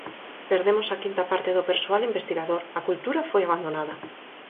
Perdemos a quinta parte do persoal investigador, a cultura foi abandonada.